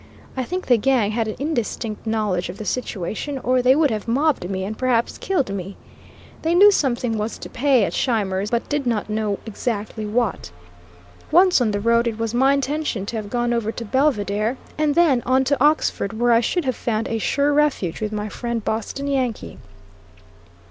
I think the gang had an indistinct knowledge of the situation, or they would have mobbed me, and perhaps killed me. They knew something was "to pay" at Scheimer's, but did not know exactly what. Once on the road it was my intention to have gone over to Belvidere, and then on to Oxford, where I should have found a sure refuge with my friend Boston Yankee.